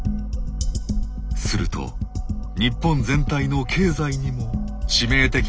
すると日本全体の経済にも致命的なダメージが。